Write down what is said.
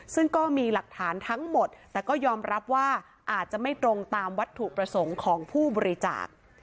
ซึ่งก็มีหลักฐานทั้งหมดแต่ก็ยอมรับว่าอาจจะไม่ตรงตามวัตถุประสงค์ของผู้บริจาค